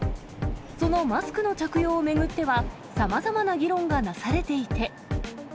そのマスクの着用を巡っては、さまざまな議論がなされていて。